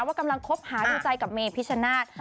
ว่ากำลังคบหาดูใจกับเมพิชาณาท